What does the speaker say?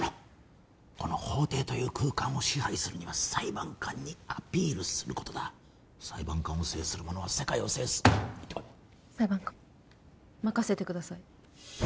この法廷という空間を支配するには裁判官にアピールすることだ裁判官を制する者は世界を制す行ってこい裁判官任せてください